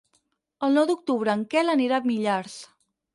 El nou d'octubre en Quel anirà a Millars.